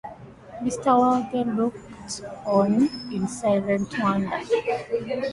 Mr. Wardle looked on in silent wonder.